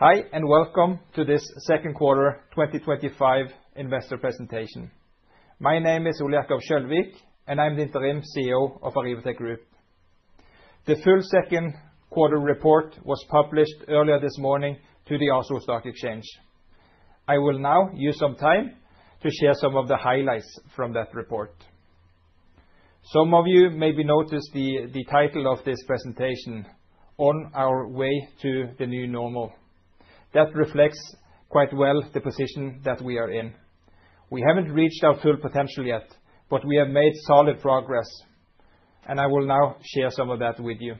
Hi, and welcome to this second quarter 2025 investor presentation. My name is Ole Jakob Kjølvik, and I'm the Interim CEO of Arribatec Group ASA. The full second quarter report was published earlier this morning to the Oslo Stock Exchange. I will now use some time to share some of the highlights from that report. Some of you maybe noticed the title of this presentation, "On Our Way to the New Normal." That reflects quite well the position that we are in. We haven't reached our full potential yet, but we have made solid progress, and I will now share some of that with you.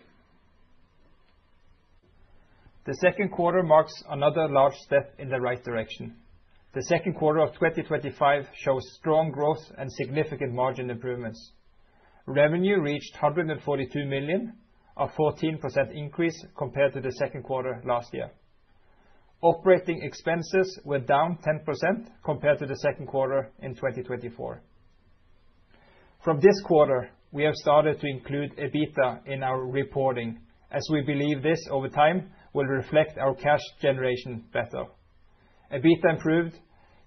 The second quarter marks another large step in the right direction. The second quarter of 2025 shows strong growth and significant margin improvements. Revenue reached 142 million, a 14% increase compared to the second quarter last year. Operating expenses were down 10% compared to the second quarter in 2024. From this quarter, we have started to include EBITDA in our reporting, as we believe this over time will reflect our cash generation better. EBITDA improved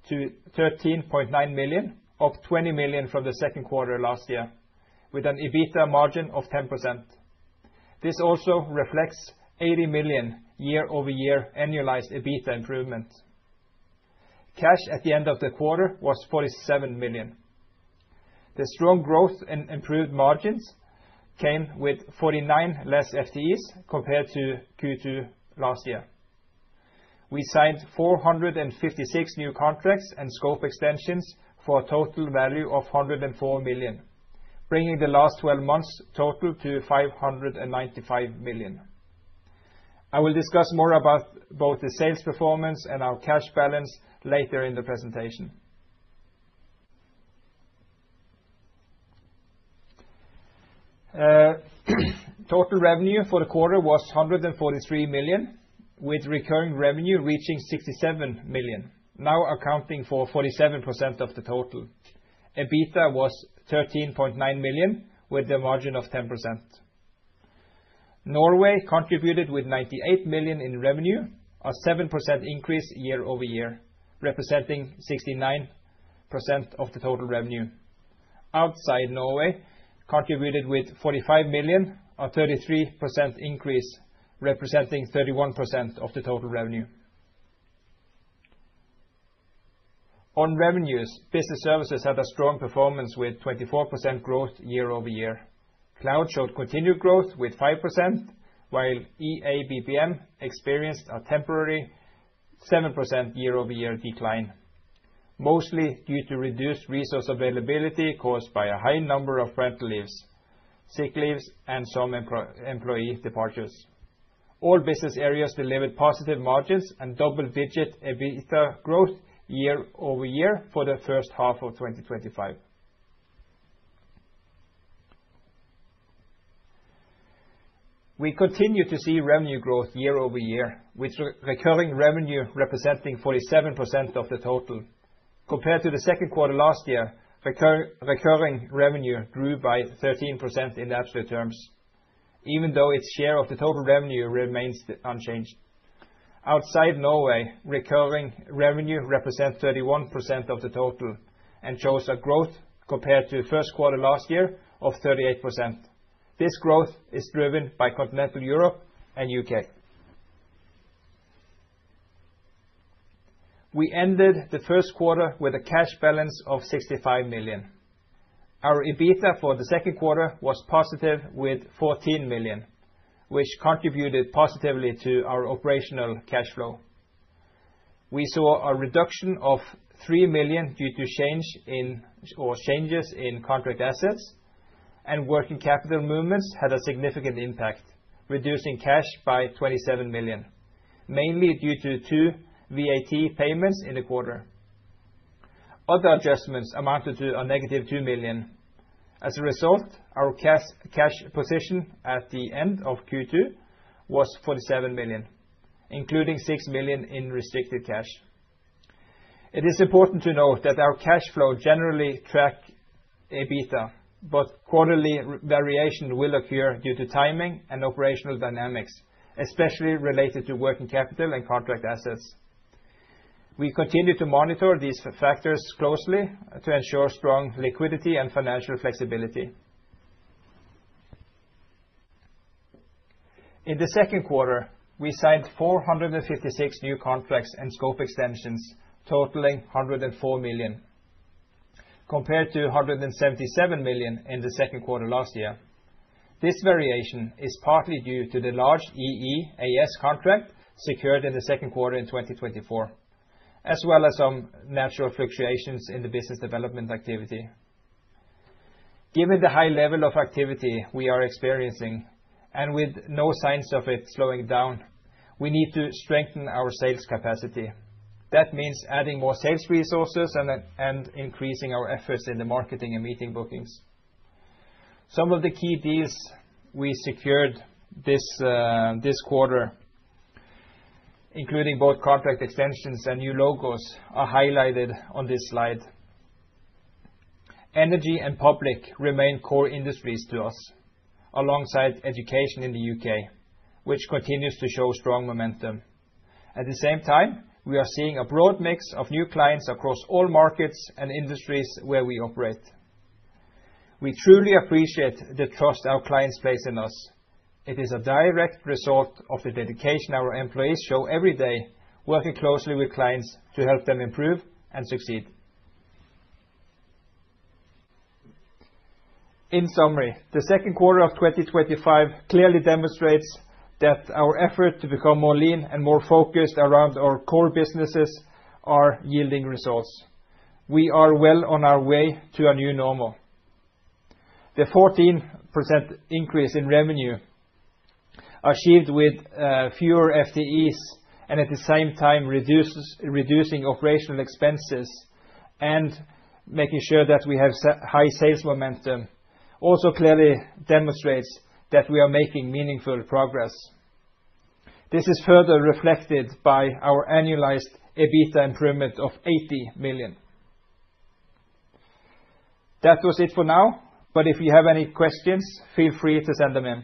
to 13.9 million from 20 million in the second quarter last year, with an EBITDA margin of 10%. This also reflects 80 million year-over-year annualized EBITDA improvement. Cash at the end of the quarter was 47 million. The strong growth and improved margins came with 49 less FTEs compared to Q2 last year. We signed 456 new contracts and scope extensions for a total value of 104 million, bringing the last 12 months' total to 595 million. I will discuss more about both the sales performance and our cash balance later in the presentation. Total revenue for the quarter was 143 million, with recurring revenue reaching 67 million, now accounting for 47% of the total. EBITDA was 13.9 million, with a margin of 10%. Norway contributed with 98 million in revenue, a 7% increase year-over-year, representing 69% of the total revenue. Outside Norway contributed with 45 million, a 33% increase, representing 31% of the total revenue. On revenues, business services had a strong performance with 24% growth year-over-year. Cloud showed continued growth with 5%, while EABPM experienced a temporary 7% year-over-year decline, mostly due to reduced resource availability caused by a high number of parental leaves, sick leaves, and some employee departures. All business areas delivered positive margins and double-digit EBITDA growth year-over-year for the first half of 2025. We continue to see revenue growth year-over-year, with recurring revenue representing 47% of the total. Compared to the second quarter last year, recurring revenue grew by 13% in absolute terms, even though its share of the total revenue remains unchanged. Outside Norway, recurring revenue represents 31% of the total and shows a growth compared to the first quarter last year of 38%. This growth is driven by continental Europe and the UK. We ended the first quarter with a cash balance of 65 million. Our EBITDA for the second quarter was positive with 14 million, which contributed positively to our operational cash flow. We saw a reduction of 3 million due to changes in contract assets, and working capital movements had a significant impact, reducing cash by 27 million, mainly due to two VAT payments in the quarter. Other adjustments amounted to a negative 2 million. As a result, our cash, cash position at the end of Q2 was 47 million, including 6 million in restricted cash. It is important to note that our cash flow generally tracks EBITDA, but quarterly variation will appear due to timing and operational dynamics, especially related to working capital and contract assets. We continue to monitor these factors closely to ensure strong liquidity and financial flexibility. In the second quarter, we signed 456 new contracts and scope extensions, totaling 104 million, compared to 177 million in the second quarter last year. This variation is partly due to the large EEAS contract secured in the second quarter of 2023, as well as some natural fluctuations in the business development activity. Given the high level of activity we are experiencing and with no signs of it slowing down, we need to strengthen our sales capacity. That means adding more sales resources and increasing our efforts in the marketing and meeting bookings. Some of the key deals we secured this quarter, including both contract extensions and new logos, are highlighted on this slide. Energy and public remain core industries to us, alongside education in the UK, which continues to show strong momentum. At the same time, we are seeing a broad mix of new clients across all markets and industries where we operate. We truly appreciate the trust our clients place in us. It is a direct result of the dedication our employees show every day, working closely with clients to help them improve and succeed. In summary, the second quarter of 2025 clearly demonstrates that our efforts to become more lean and more focused around our core businesses are yielding results. We are well on our way to a new normal. The 14% increase in revenue achieved with fewer FTEs and at the same time reducing operating expenses and making sure that we have high sales momentum also clearly demonstrates that we are making meaningful progress. This is further reflected by our annualized EBITDA improvement of $80 million. That was it for now, but if you have any questions, feel free to send them in.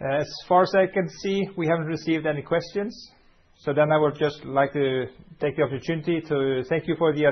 As far as I can see, we haven't received any questions, so I would just like to take the opportunity to thank you for your.